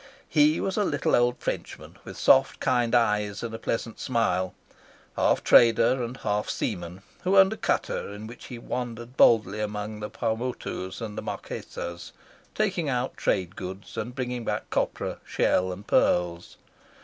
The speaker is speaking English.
He was a little old Frenchman, with soft kind eyes and a pleasant smile, half trader and half seaman, who owned a cutter in which he wandered boldly among the Paumotus and the Marquesas, taking out trade goods and bringing back copra, shell, and pearls.